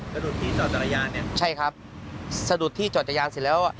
สะดุดที่จอดแต่ยานเนี้ยใช่ครับสะดุดที่จอดแต่ยานเสร็จแล้ว